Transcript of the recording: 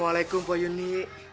assalamualaikum mbak yuni